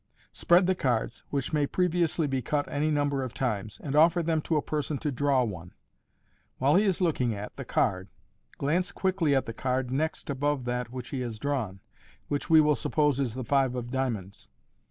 Spread the cards (which may previously be cut any number of times), and offer them to a person to draw one, While he is looking a* the card, glance quickly at the card next above that which he has drawn, which we will suppose is the five of dia monds.